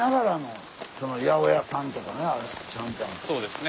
そうですね。